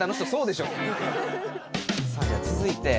さあじゃあ続いて。